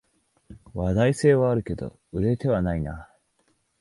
話題性はあるけど売れてはないな